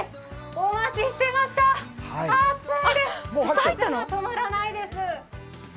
お待ちしてました、熱いです、汗が止まらないです。